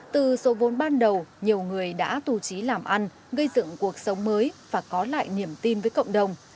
từ số vốn ban đầu nhiều người đã tù trí làm ăn gây dựng cuộc sống mới và có lại niềm tin với cộng đồng